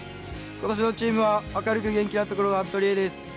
今年のチームは明るく元気なところがとりえです。